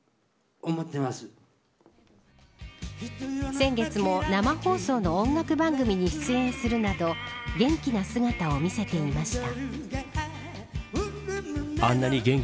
先月も生放送の音楽番組に出演するなど元気な姿を見せていました。